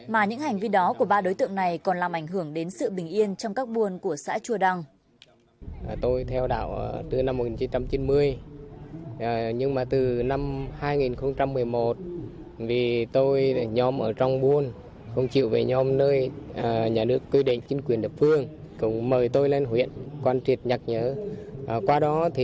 mà những hành vi đó của ba đối tượng này còn làm ảnh hưởng đến sự bình yên trong các buôn của xã chua đăng